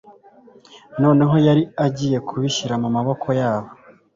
noneho yari agiye kubishyira mu maboko yabo,